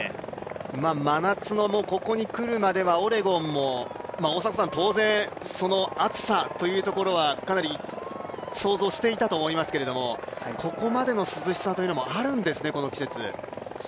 真夏のここにくるまではオレゴンも大迫さん、当然、その暑さというところはかなり想像していたと思いますけどここまでの涼しさというのもあるんですね、この季節。